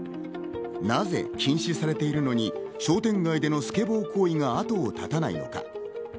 なぜ禁止されているのに、商店街でのスケボー行為が後をたたないのか。